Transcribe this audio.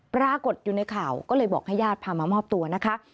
ปรากฏอยู่ในข่าวก็เลยบอกให้ญาติพามามอบตัวนะคะ